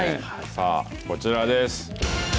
さあ、こちらです。